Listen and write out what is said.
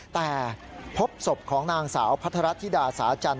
แต่พบศพของนางสาวพัทรธิดาสาจันท